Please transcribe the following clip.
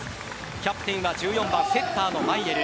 キャプテンが１４番セッターのマイエル。